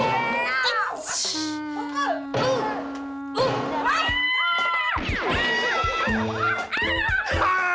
serain sama juleha